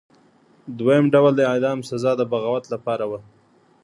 دویم ډول د اعدام سزا د بغاوت لپاره وه.